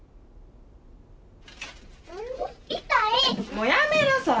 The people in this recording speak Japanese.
もうやめなさい！